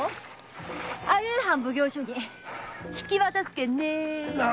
相生藩奉行所に引き渡すけんね。